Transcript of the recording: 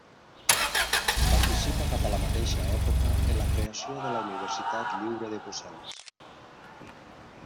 Participa cap a la mateixa època en la creació de la Universitat Lliure de Brussel·les.